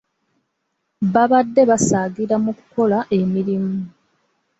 Babadde basaagira mu kukola emirimu.